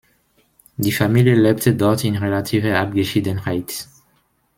Die Familie lebte dort in relativer Abgeschiedenheit.